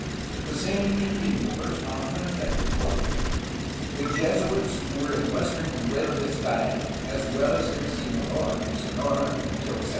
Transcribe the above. The same Indian wars often affected both. The Jesuits were in western Nueva Vizcaya as well as in Sinaloa and Sonora until 1767.